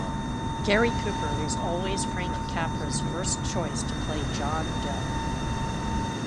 Gary Cooper was always Frank Capra's first choice to play John Doe.